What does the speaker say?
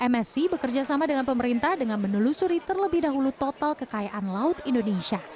msc bekerjasama dengan pemerintah dengan menelusuri terlebih dahulu total kekayaan laut indonesia